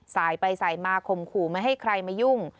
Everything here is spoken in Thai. สายไปสายมาข่มขู่ไม่ให้ใครมายุ่ง